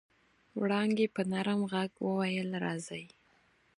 وړانګې په نرم غږ وويل راځئ.